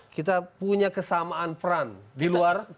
kita punya kesamaan peran di luar